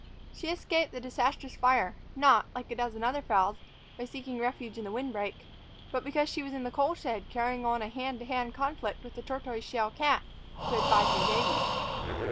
She escaped the disastrous fire, not, like a dozen other fowls, by seeking refuge in the wind break, but because she was in the coal shed carrying on a hand to hand conflict with the tortoise shell cat, who had five new babies.